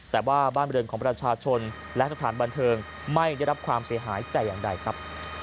แต่ว่าบ้านบริเวณของประชาชนและสถานบันเทิงไม่ได้รับความเสียหายแต่อย่างใดครับ